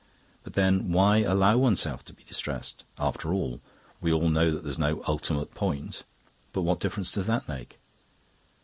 But then why allow oneself to be distressed? After all, we all know that there's no ultimate point. But what difference does that make?"